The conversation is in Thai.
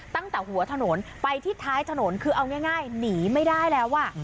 ตั้งแต่หัวถนนไปที่ท้ายถนนคือเอาง่ายหนีไม่ได้แล้วอ่ะ